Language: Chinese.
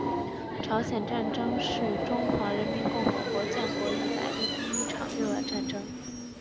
朝鲜战争是中华人民共和国建国以来的第一场对外战争。